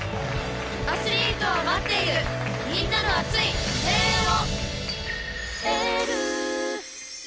アスリートは待っているみんなの熱い声援を！